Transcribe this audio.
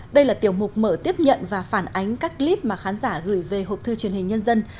đây là tiểu mục mở tiếp nhận và phản ánh các clip mà khán giả gửi về học thư truyền hình nhân dân